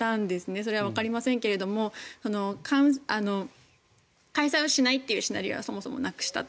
それはわかりませんけれど開催をしないというシナリオをそもそもなくしたと。